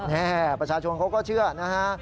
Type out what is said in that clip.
ประชาชนเขาก็เชื่อนะฮะ